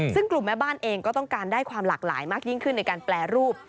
ซึ่งกลุ่มแม่บ้านเองก็ต้องการได้ความหลากหลายมากยิ่งขึ้นในการแปรรูป